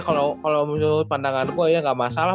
kalau pandangan gue ya gak masalah